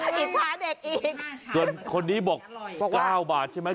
กินชามแดนะอีกถ้าคนนี้บอก๙บาทใช่มั้ย